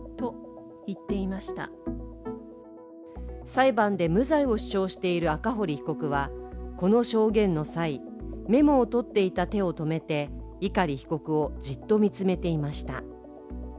裁判で無罪を主張している赤堀被告はこの証言の際メモをとっていた手を止めて碇被告をじっと見つめていました。